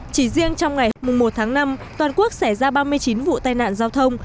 chỉ riêng trong ngày một tháng năm toàn quốc xảy ra ba mươi chín vụ tai nạn giao thông